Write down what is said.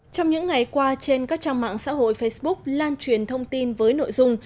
trong những ngày qua trên các trang mạng xã hội facebook lan truyền thông tin với nội dung